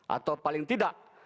atau paling tidak